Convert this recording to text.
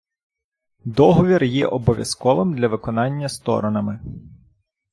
Договір є обов'язковим для виконання сторонами.